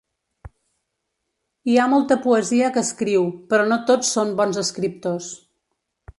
Hi ha molta poesia que escriu, però no tots són bons escriptors.